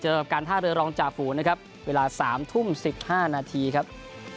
กับการท่าเรือรองจ่าฝูนะครับเวลา๓ทุ่ม๑๕นาทีครับ